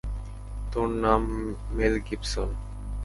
তোর নাম Mel Gibson.